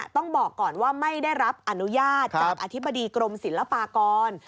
ต้องบอกก่อนว่าไม่ได้รับอนุญาตจากอธิบดีกรมศิลปากร